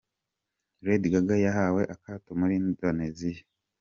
Lady Gaga yahawe akato muri Indoneziya.